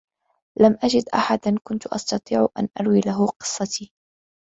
لم أجد أحدا كنت أستطيع أن أروي له قصّتي.